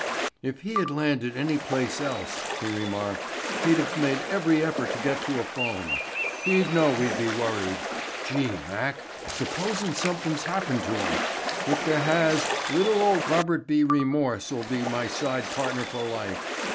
"If he had landed any place else," he remarked, "he'd have made every effort to get to a phone. He'd know we'd be worried. Gee, Mac, supposin' somethin's happened to 'em. If there has little old Robert B. Remorse'll be my side partner for life.